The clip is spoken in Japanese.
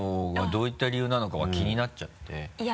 どういった理由なのかは気になっちゃって。